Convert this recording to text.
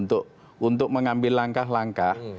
untuk mengambil langkah langkah